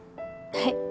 はい。